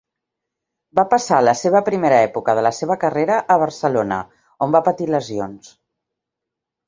Va passar la seva primera època de la seva carrera a Barcelona, on va patir lesions.